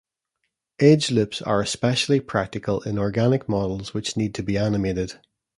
Edge loops are especially practical in organic models which need to be animated.